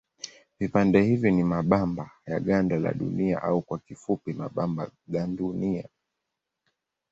Vipande hivyo ni mabamba ya ganda la Dunia au kwa kifupi mabamba gandunia.